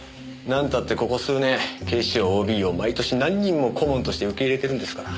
なんたってここ数年警視庁ＯＢを毎年何人も顧問として受け入れてるんですから。